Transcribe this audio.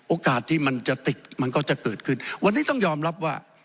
โอกาสที่มันจะติดมันก็จะเกิดขึ้นวันนี้ต้องยอมรับว่า